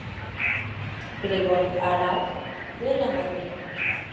Gregorio Araoz de Lamadrid.